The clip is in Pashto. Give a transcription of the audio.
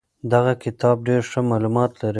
دغه کتاب ډېر ښه معلومات لري.